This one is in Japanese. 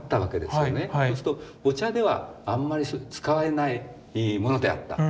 そうするとお茶ではあんまり使われないものであった。